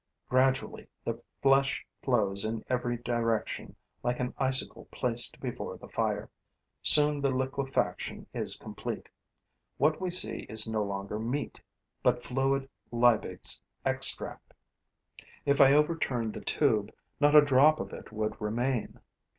Gradually, the flesh flows in every direction like an icicle placed before the fire. Soon, the liquefaction is complete. What we see is no longer meat, but fluid Liebig's extract. If I overturned the tube, not a drop of it would remain.